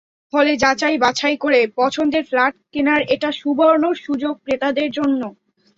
ফলে যাচাই-বাছাই করে পছন্দের ফ্ল্যাট কেনার এটা সুবর্ণ সুযোগ ক্রেতাদের জন্য।